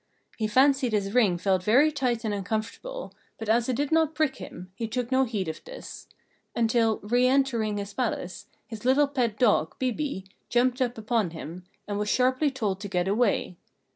He fancied his ring felt very tight and uncomfortable, but as it did not prick him, he took no heed of this; until, reëntering his palace, his little pet dog, Bibi, jumped up upon him, and was sharply told to get away.